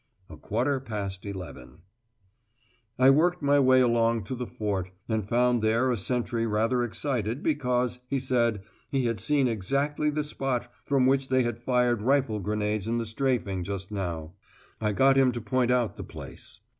A quarter past eleven. I worked my way along to the Fort and found there a sentry rather excited because, he said, he had seen exactly the spot from which they had fired rifle grenades in the strafing just now. I got him to point out the place.